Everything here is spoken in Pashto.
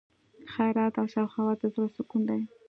خیرات او سخاوت د زړه سکون دی.